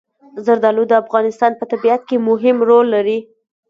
زردالو د افغانستان په طبیعت کې مهم رول لري.